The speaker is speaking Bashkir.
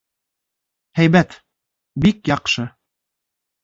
— Һәйбәт, бик яҡшы.